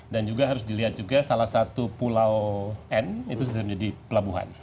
dan juga harus dilihat juga salah satu pulau n itu sudah menjadi pelabuhan